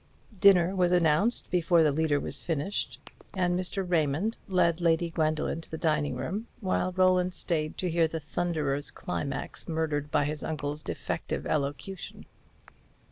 Dinner was announced before the leader was finished, and Mr. Raymond led Lady Gwendoline to the dining room, while Roland stayed to hear the Thunderer's climax murdered by his uncle's defective elocution.